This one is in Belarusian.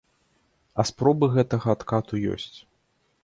А спробы гэтага адкату ёсць.